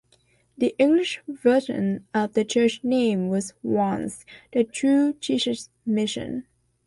The English version of the church name was once the "True Jesus Mission".